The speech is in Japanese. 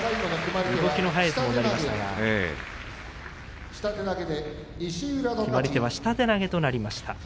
動きの速い相撲になりましたが決まり手は下手投げとなりました。